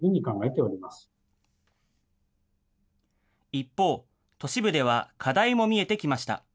一方、都市部では課題も見えてきました。